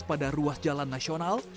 pada ruas jalan nasional